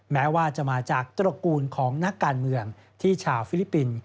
แม้ว่าจะมาจากตระกูลของนักการเมืองที่ชาวฟิลิปปินส์